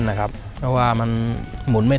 ถ้าตอบถูกเป็นคนแรกขึ้นมาเลย